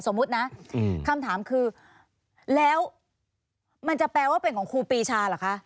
นะคำถามคือแล้วมันจะแปลว่าเป็นของครูปีชาเหรอคะ